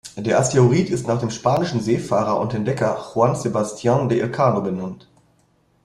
Der Asteroid ist nach dem spanischen Seefahrer und Entdecker Juan Sebastián de Elcano benannt.